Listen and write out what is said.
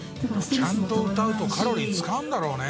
ちゃんと歌うとカロリー使うんだろうね。